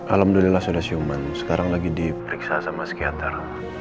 alhamdulillah sudah siuman sekarang lagi diperiksa sama psikiater